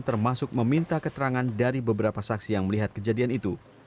termasuk meminta keterangan dari beberapa saksi yang melihat kejadian itu